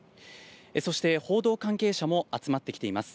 そして報道関係者も集まってきています。